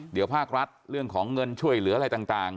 เดี๋ยวภาครัฐเรื่องของเงินช่วยเหลืออะไรต่าง